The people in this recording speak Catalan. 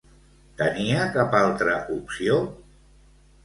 Tenia cap altra opció?